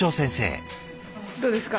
どうですか？